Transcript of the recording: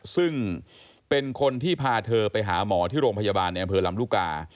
ซึ่งเป็นคนที่พาเธอไปหาหมอที่โรงพยาบาลในอำเภอลำลูกกา